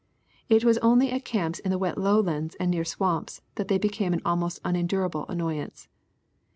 It was only at camps in the wet lowlands and near swamps, that they became an almost unendurable annoyance.